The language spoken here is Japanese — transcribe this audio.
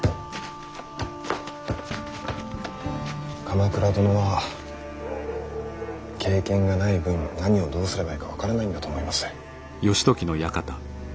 鎌倉殿は経験がない分何をどうすればいいか分からないんだと思います。